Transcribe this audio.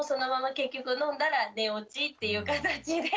結局飲んだら寝落ちっていう形で。